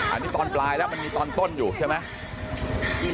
อันนี้ตอนปลายแล้วมันมีตอนต้นอยู่ใช่ไหม